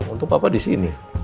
untung papa disini